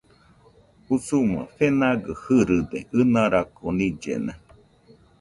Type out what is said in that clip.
Usuma fenagɨ irɨde ɨnarako nillena